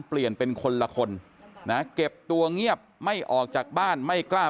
เปลี่ยนเป็นคนละคนนะเก็บตัวเงียบไม่ออกจากบ้านไม่กล้า